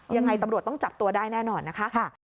ยังไงตำรวจต้องจับตัวได้แน่นอนนะคะ